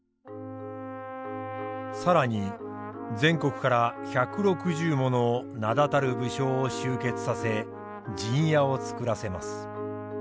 更に全国から１６０もの名だたる武将を集結させ陣屋を造らせます。